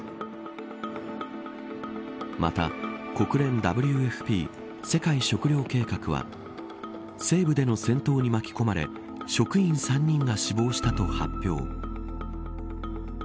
また、国連ＷＦＰ世界食糧計画は西部での戦闘に巻き込まれ職員３人が死亡したと発表。